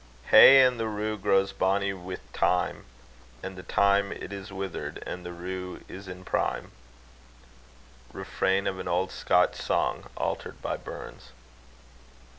Hey, and the rue grows bonny wi' thyme! And the thyme it is withered, and rue is in prime. Refrain of an old Scotch song, altered by BURNS.